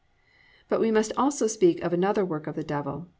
But we must also speak of another work of the Devil.